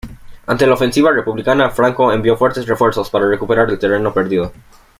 Ante la ofensiva republicana, Franco envió fuertes refuerzos para recuperar el terreno perdido.